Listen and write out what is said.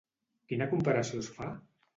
Quina comparació es fa?